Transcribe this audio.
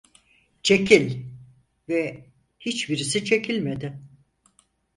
"Çekil!" ve hiçbirisi çekilmedi…